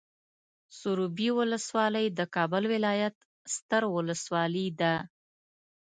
سروبي ولسوالۍ د کابل ولايت ستر ولسوالي ده.